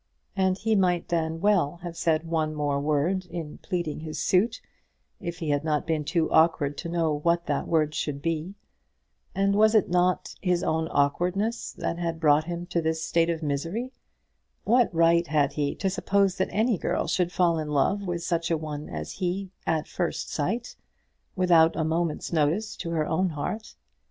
And he might then well have said one word more in pleading his suit, if he had not been too awkward to know what that word should be. And was it not his own awkwardness that had brought him to this state of misery? What right had he to suppose that any girl should fall in love with such a one as he at first sight, without a moment's notice to her own heart?